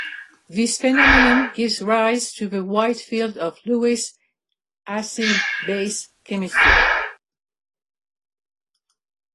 This phenomenon gives rise to the wide field of Lewis acid-base chemistry.